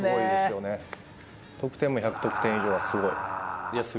得点も１００得点以上、すごい。